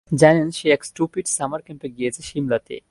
জানেন সে এক স্টুপিট সামার ক্যাম্পে গিয়েছে শিমলাতে।